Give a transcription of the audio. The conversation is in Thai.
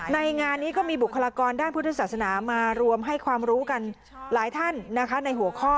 งานนี้ก็มีบุคลากรด้านพุทธศาสนามารวมให้ความรู้กันหลายท่านนะคะในหัวข้อ